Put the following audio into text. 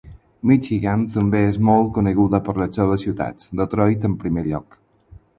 Michigan també és molt coneguda per les seves ciutats, Detroit en primer lloc.